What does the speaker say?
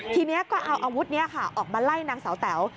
ทีนี้ก็เอาอาวุธนี้ค่ะออกมาไล่นางสาวแต๋ว